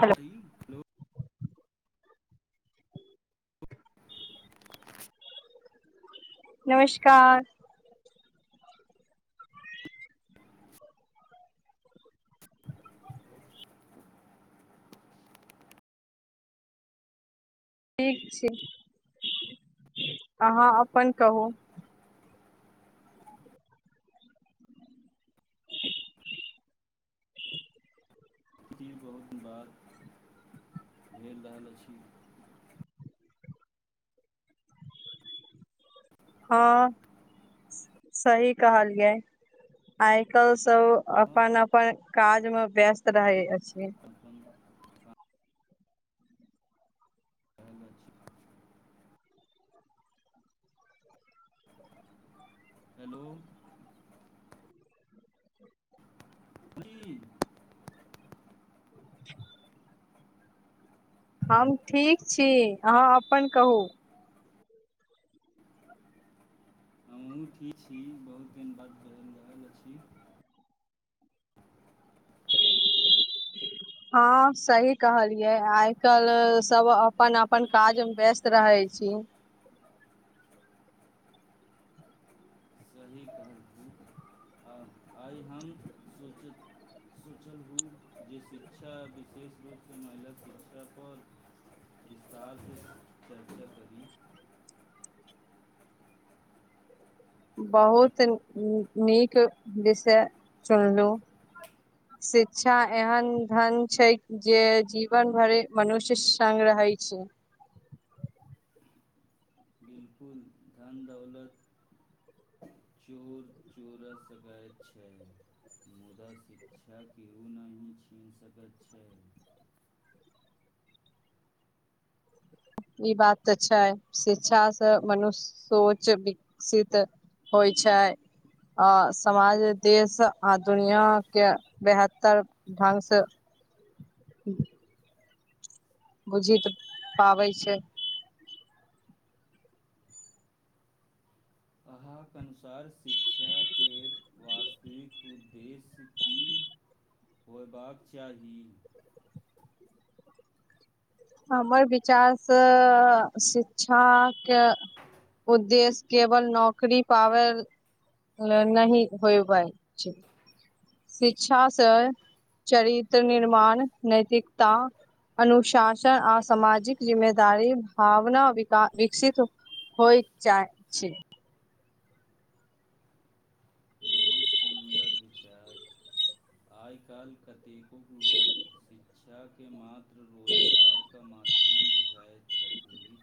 Hello hello नमस्कार। ठीक छै, अहां अपन कहु। इ बहुत दिन बार भेल रहल अछि। हां, सही कहलियै, आइ काल्हि सब अपन अपन काज मे व्यस्त रहै अछि। अपन [unintelligible] [inaudible] [inaudible] [unintelligible] हम ठीक छी, अहाँ अपन कहू। हमहूँ ठीक छी, बहुत दिन बाद बात भ रहल अछि। हां सही कहलियै, आइ काल्हि सब अपन अपन काजमे व्यस्त रहै छी। सही कहलखिन आ आइ हम सोच सोचलहु जे शिक्षा विशेष रूपसँ महिलाक शिक्षापर विस्तारसे चर्चा करी। बहुत नीक विषय चुनलहुं, शिक्षा एहन धन छै जे जीवन भर मनुष्य संग रहै छै। बिलकुल, धन दौलत सेहो छोड़ि सकैत छै मुदा शिक्षा के ओ नहिं छीन सकैत छै। इ बात त छै। शिक्षा से मनुष्यक सोच विकसित होइ छै आ समाज, देश आ दुनिया के बेहतर ढंग से बुझि त पाबै छै। अहांके अनुसार शिक्षाके वास्तविक उद्देश्य की होयबाक चाही? हमर विचार से शिक्षा के उद्देश्य केवल नौकरी पायब नै होयबाक छै, शिक्षा से चरित्र निर्माण, नैतिकता, अनुशास सन, शिक्षण आ सामाजिक जिम्मेदारी भावना विकसित होइत चाहै छी। बहुत सुन्दर विचार, आइ काल्हि कतेक [unintelligible] शिक्षा के मात्र मात्र रोजगारके माध्यम बुझैत छथि।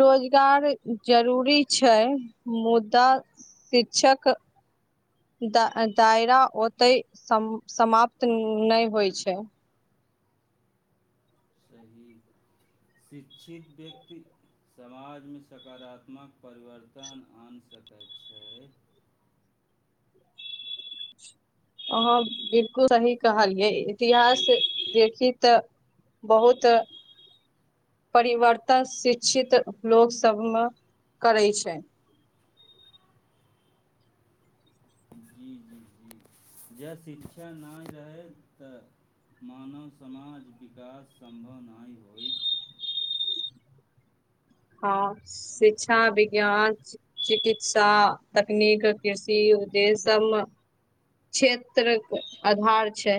रोजगार जरूरी छै, मुदा शिक्षाक दायरा ओतहि सम समाप्त नहि होइ छै। सही शिक्षित व्यक्ति समाजमे सकारात्मक परिवर्तन आनि सकैत छै। अहां बिलकुल सही कहलियै, इतिहास देखी त बहुत परिवर्तन शिक्षित लोक सभमे करै छै। जं शिक्षा नहि रहय त मानव समाजक विकास सम्भव नहि होयत। हां, शिक्षा विज्ञान, चिकित्सा, तकनीक, कृषि उदे्दश्य सबमे क्षेत्र आधार छै।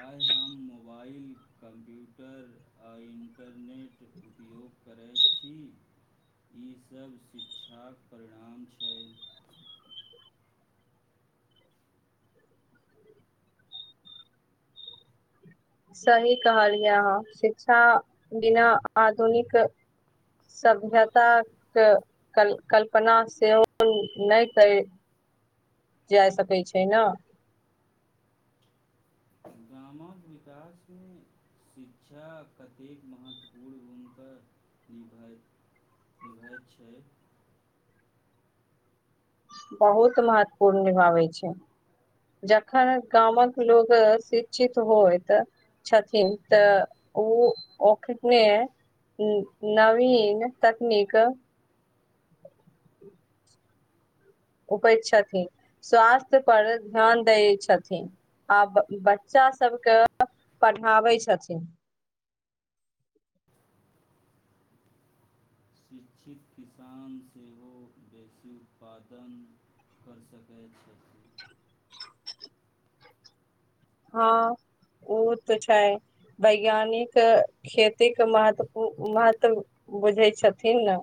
आइ हम मोबाइल कम्प्यूटर आ इन्टर करै छी, ईसब शिक्षाक परिणाम छै। सही कहलियै अहां, शिक्षा बिना आधुनिक सभ्यताके कल कल्पना सेहो नहि करि जा सकैत छै ना। गामक विकासमे शिक्षा कतेक महत्वपूर्ण भूमिका निभा निभाबैत छै? बहुत महत्वपूर्ण निभाबै छै। जखन गामक लोक शिक्षित होइत छथिन त ओ ओखने नवीन तकनीक उपज छथिन। स्वास्थ्य पर ध्यान दै छथिन आ बच्चा सभके पढ़ाबै छथिन। शिक्षित किसान सेहो बेसी उत्पादन करि सकैत छथि। [unintelligible] हां, ओ त छै। वैज्ञानिक खेती के महत्व महत्व बुझै छथिन ने।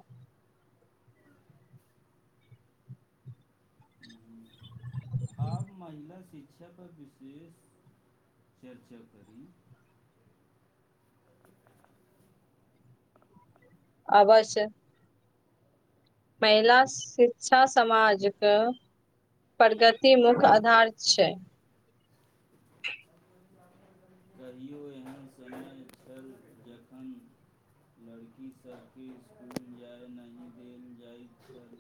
आ महिला शिक्षा पर विशेष चर्चा करी। अवश्य। महिला शिक्षा समाजके प्रगति मुख्य आधार छै। कहियो एहन समय छल, जखैन लड़की सबके इसकुल जाय नहि देल जाइत छल।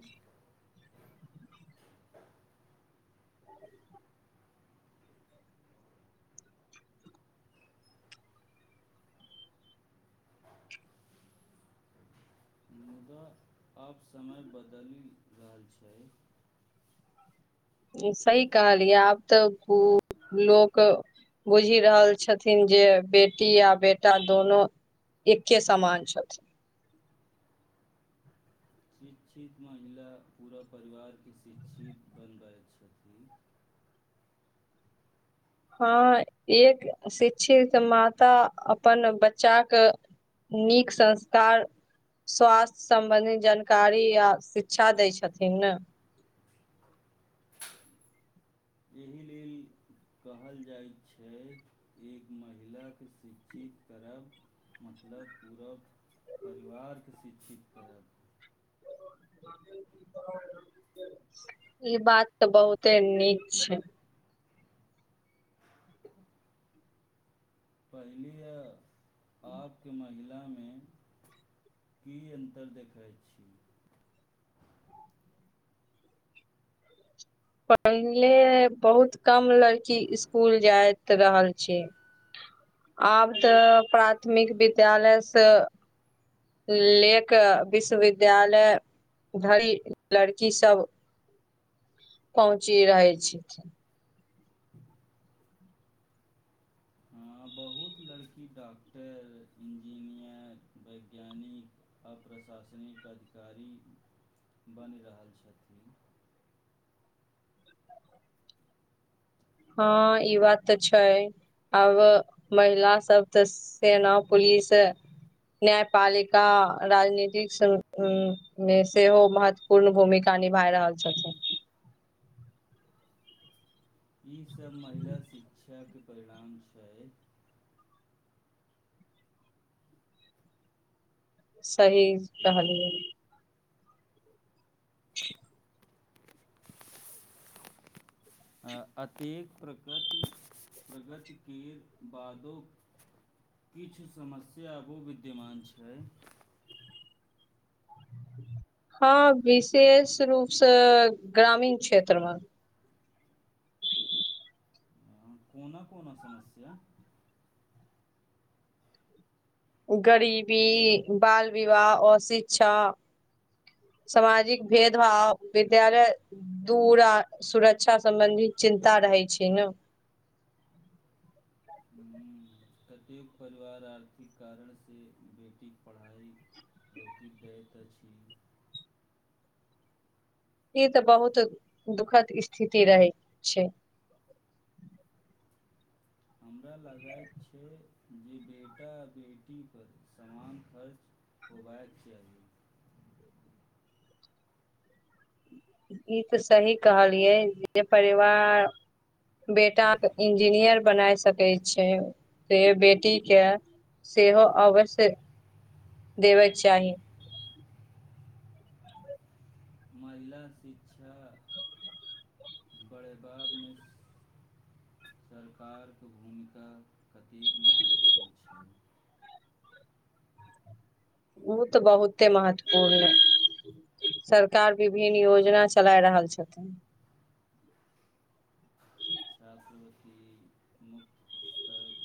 मुदा आब समय बदलि रहल छै। सही कहलियै, आब त खूब लोक बुझि रहल छथिन जे बेटी आ बेटा दुनु एके समान छथिन। शिक्षित महिला पुरा परिवारके शिक्षित बना रहल छथिन। हां, एक शिक्षित माता अपन बच्चाके नीक संस्कार, स्वास्थ्य सम्बन्धी जानकारी आ शिक्षा दै छथिन ने। एहि लेल कहल जाइ छै, एक महिलाकेँ शिक्षित करब मतलब पूरा परिवारकेँ शिक्षित करब। ई बात तऽ बहुते नीक छै। पहिले अ आबके मा- महिलामे की अन्तर देखैत छी? पहिले बहुत कम लड़की इसकुल जाइत रहल छै। आब तऽ प्राथमिक विद्यालयसँ ले कऽ विश्वविद्यालय धरि लड़कीसब पहुँचि रहै छथिन। हां, बहुत लड़की डॉक्टर, इंजीनियर, वैज्ञानिक आ प्रशासनिक अधिकारी बनि रहल छथि। हां ई बात त छै, आब महिला सब त सेना, पुलिस, न्यायपालिका, राजनीतिक मे सेहो महत्वपूर्ण भूमिका निभा रहल छथिन। इ सब महिला शिक्षाके परिणाम छै। सही कहलियै। [unintelligible] अँ अतेक प्रगति प्रगति केर बादो किछु समस्या आबो विद्यमान छै। हँ, विशेष रूपसँ ग्रामीण क्षेत्रमे। कोना कोना समस्या? गरीबी, बाल-विवाह, अशिक्षा, सामाजिक भेदभाव, विद्यालय दूर आ सुरक्षा सम्बन्धी चिन्ता रहै छै ने। कतेक परिवार आर्थिक कारणसँ बेटीक पढ़ाइ रोकि दैत अछि? ई तऽ बहुत दुखद स्थिति रहैत छै। हमरा लगैत छै, जे बेटा आ बेटीपर समान खर्च होयबाक चाही। ई तऽ सही कहलियै, जे परिवार बेटाके इंजीनियर बनाय सकैत छै, से बेटीके सेहो अवश्य देबयके चाही। महिला शिक्षा बढ़यबामे सरकारके भूमिका कतेक महत्वपूर्ण छै? ओ तऽ बहुते महत्वपूर्ण अइ। सरकार विभिन्न योजना चलाए रहल छथिन। छात्रवृत्ति, मुफ्त पुस्तक,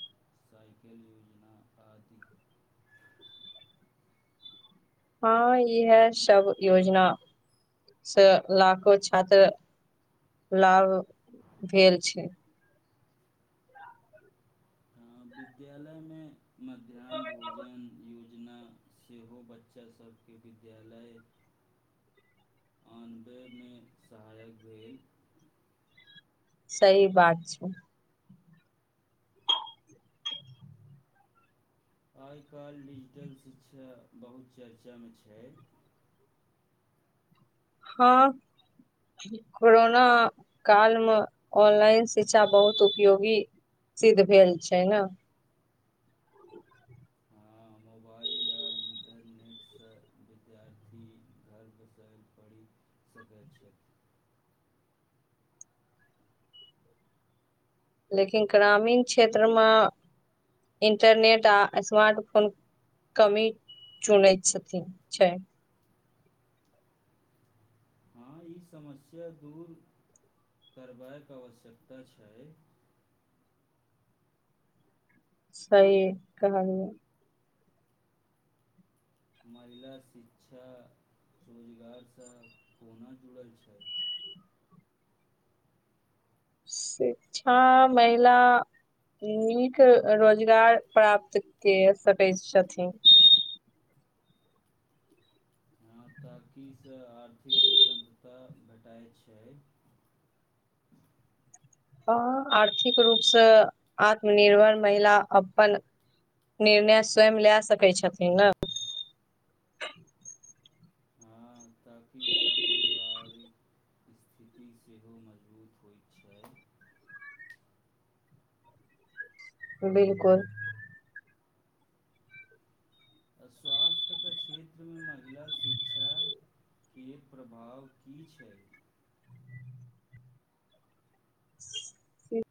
साइकिल योजना, आदि। हँ, इहएसब योजनासे लाखों छात्र लाभ भेल छै। हँ, विद्यालयमे मध्याह्न भोजन योज- जेना सेहो बच्चा सभकेँ विद्यालय आनबयमे सहायक भेल। सही बात छै। आइ-काल्हि डिजिटल शिक्षा बहुत चर्चामे छै। हँ, कोरोना कालमे ऑनलाइन शिक्षा बहुत उपयोगी सिद्ध भेल छै ने। हँ, मोबाइल आ इन्टरनेटसँ विद्यार्थी घर बैसल पढ़ि सकैत छै। लेकिन ग्रामीण क्षेत्रमे इंटरनेट आ स्मार्ट फोन कमी चुनैत छथिन छै। हँ, ई समस्या दूर करबाक आवश्यकता छय। सही कहलियै। महिला शिक्षा रोजगारसँ कोना जुड़ल छै? शिक्षा महिला नीक अ रोजगार प्राप्त कए सकैत छथिन। हँ, ताकि से आर्थिक स्वतन्त्रता भेटाइ छै। हँ, आर्थिक रूपसँ आत्मनिर्भर महिला अपन निर्णय स्वयं लए सकै छथिन ने। हँ ताकि सभ परिवार ई इस्थिति सेहो मजबूत होइत छय। बिलकुल। स्वास्थ्यके क्षेत्रमे महिला शिक्षाके प्रभाव की छै?